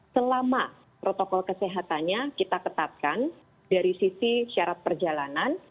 selama protokol kesehatannya kita ketatkan dari sisi syarat perjalanan